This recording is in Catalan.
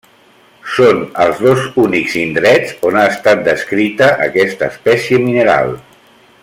Són els dos únics indrets on ha estat descrita aquesta espècie mineral.